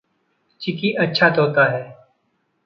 चिकी अच्छा तोता है।